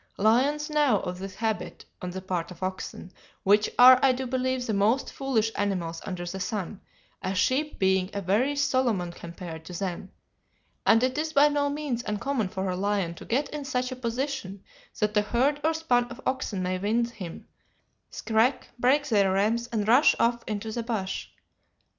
Lions know of this habit on the part of oxen, which are, I do believe, the most foolish animals under the sun, a sheep being a very Solomon compared to them; and it is by no means uncommon for a lion to get in such a position that a herd or span of oxen may wind him, skrek, break their reims, and rush off into the bush.